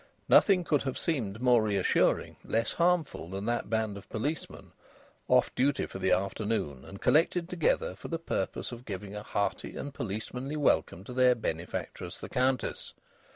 Nothing could have seemed more reassuring, less harmful, than that band of policemen, off duty for the afternoon and collected together for the purpose of giving a hearty and policemanly welcome to their benefactress the Countess.